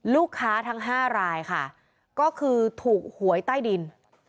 ทั้ง๕รายค่ะก็คือถูกหวยใต้ดิน